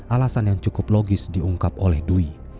alasan yang cukup logis diungkap oleh dwi